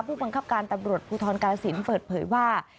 ผู้บังคับการตำรวจภูทรกาลสินเปิดเผยว่า